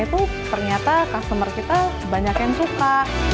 itu ternyata customer kita banyak yang suka